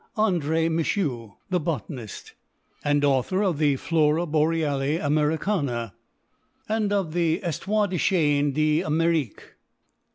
Andre Michau, the botanist, and author of the Flora Boreali Americana, and of the Histoire des Chênes d'Amerique.